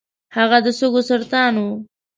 هغه د سږو سرطان و .